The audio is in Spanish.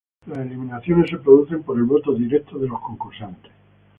Las eliminaciones se producen por el voto directo de los concursantes.